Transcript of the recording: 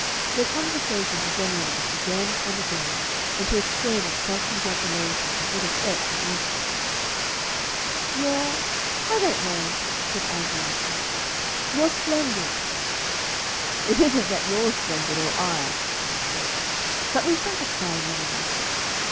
Their conversation degenerated again and again into a strain of self congratulation that would have irked an eavesdropper. "You're I don't know," said Ann Veronica. "You're splendid." "It isn't that you're splendid or I," said Capes. "But we satisfy one another.